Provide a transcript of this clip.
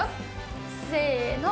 せの！